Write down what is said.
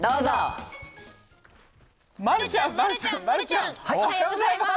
丸ちゃん、丸ちゃん、丸ちゃん、おはようございます。